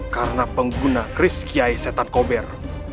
karena pengguna geris kiai setan kober